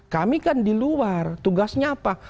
kami kan di luar tugasnya apa